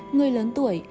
người lớn tuổi